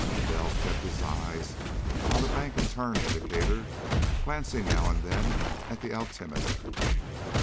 Bell kept his eyes on the bank and turn indicator, glancing now and then at the altimeter.